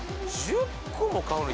１０個も買うの？